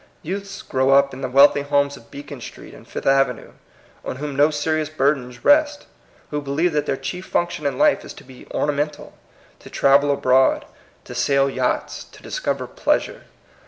Youths grow up in the wealthy homes of Beacon Street and Fifth Avenue on whom no serious bur dens rest, who believe that their chief func tion in life is to be ornamental, to travel abroad, to sail yachts, to discover pleasure.